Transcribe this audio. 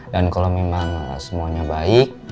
dan kalau memang semuanya baik